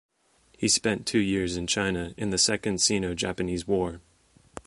He spent two years in China in the Second Sino-Japanese War.